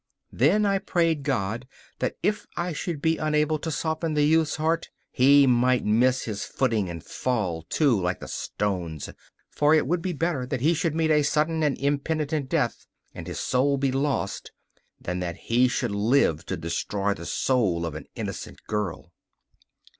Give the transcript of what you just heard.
Then I prayed God that if I should be unable to soften the youth's heart he might miss his footing and fall, too, like the stones; for it would be better that he should meet a sudden and impenitent death, and his soul be lost, than that he should live to destroy the soul of an innocent girl.